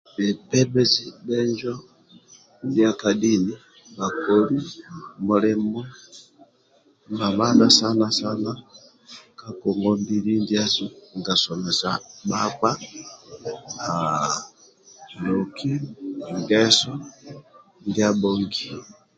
Bhe bembezi bhenjo ndia ka dini bhakoli mulimo mamadha sana sana ka ngongwa mbili ndiasu nga somesa bhakpa loki ngeso india abhongio